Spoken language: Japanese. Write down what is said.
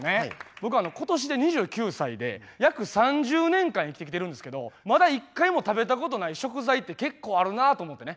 僕今年で２９歳で約３０年間生きてきてるんですけどまだ一回も食べたことない食材って結構あるなって思ってね。